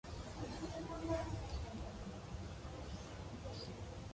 The couple's elder son assumed the courtesy title of Viscount Lascelles.